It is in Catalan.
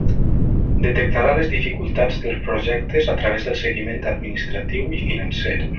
Detectarà les dificultats dels projectes a través del seguiment administratiu i financer.